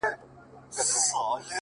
بيا د تورو سترګو و بلا ته مخامخ يمه ـ